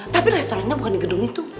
tapi restorannya bukan di gedung itu